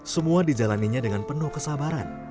semua dijalannya dengan penuh kesabaran